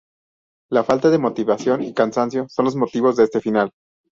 La falta de motivación y cansancio son los motivos de este final.